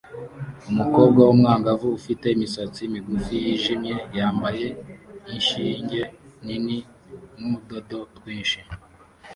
Umukobwa w'umwangavu ufite imisatsi migufi yijimye yambaye inshinge nini nudodo twinshi